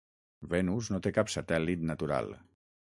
Venus no té cap satèl·lit natural.